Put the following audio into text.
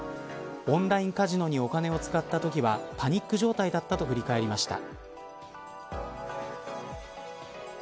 オンラインカジノにお金を使ったときはパニック状態だったと振り返りました。